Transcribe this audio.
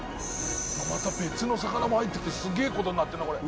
また別の魚も入って来てすげぇことになってるなこれ。